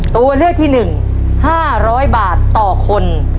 ตัวเลือกที่๑๕๐๐บาทต่อคน